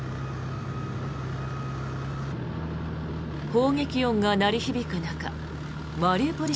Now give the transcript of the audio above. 砲撃音が鳴り響く中マリウポリ